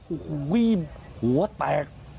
โอ้โหหัวแตก